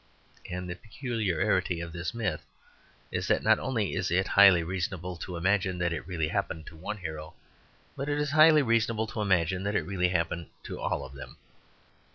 And the peculiarity of this myth is that not only is it highly reasonable to imagine that it really happened to one hero, but it is highly reasonable to imagine that it really happened to all of them.